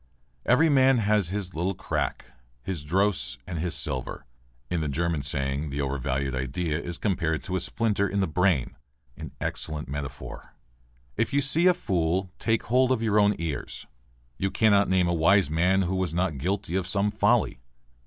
"Every man has his little crack, his dross and his sliver." (In the German saying the overvalued idea is compared to a splinter in the brain. An excellent metaphor!) "If you see a fool take hold of your own ears." "You cannot name a wise man who was not guilty of some folly."